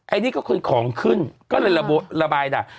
อันนี้ก็คือของขึ้นก็เลยระบายด่า